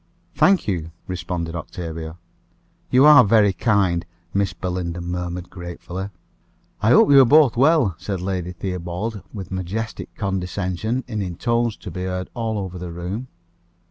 "Thank you," responded Octavia. "You are very kind," Miss Belinda murmured gratefully. "I hope you are both well?" said Lady Theobald with majestic condescension, and in tones to be heard all over the room.